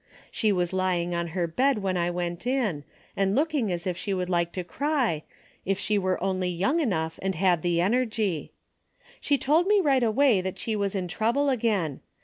She was lying on her bed when I went in and looking as if she would like to cry, if she only were young enough and had the energy. She told me right away that she was in trouble again.